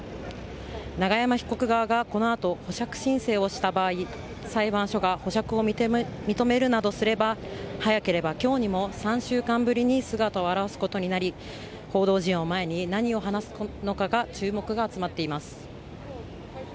永山被告側がこのあと保釈申請をした場合裁判所が保釈を認めるなどすれば早ければ今日にも３週間ぶりに姿を現すことになり報道陣を前に何を話すのか注目が集まっています。